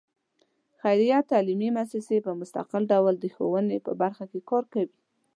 خیریه تعلیمي مؤسسې په مستقل ډول د ښوونې په برخه کې کار کوي.